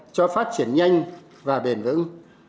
cho phát triển nhanh và bền vững